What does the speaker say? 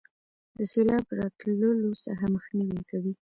د سیلاب راتللو څخه مخنیوي کوي.